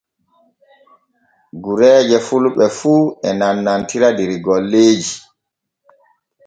Gureeje fulɓe fu e nannantira der golleeji.